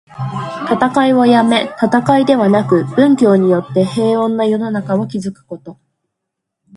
戦いをやめ、戦いではなく、文教によって平穏な世の中を築くこと。